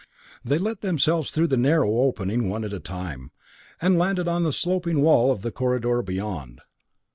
They let themselves through the narrow opening one at a time, and landed on the sloping wall of the corridor beyond.